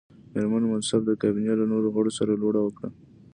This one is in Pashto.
مېرمن منصف د کابینې له نورو غړو سره لوړه وکړه.